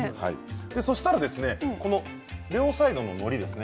そうしたら両サイドののりですね